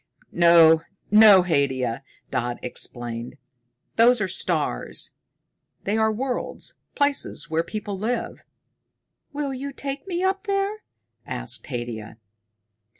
"No, no, Haidia," Dodd explained. "Those are stars. They are worlds places where people live." "Will you take me up there?" asked Haidia.